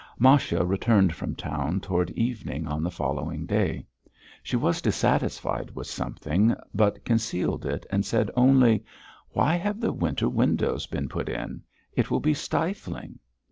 Masha returned from town toward evening on the following day. She was dissatisfied with something, but concealed it and said only: "Why have the winter windows been put in? It will be stifling."